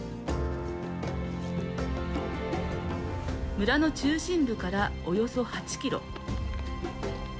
村の中心部からおよそ８ｋｍ。